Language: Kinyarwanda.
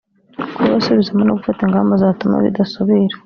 kuyabasubizamo no gufata ingamba zatuma bidasubira